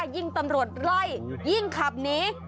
ยิ่งตำรวจไล่ยิ่งขับหนี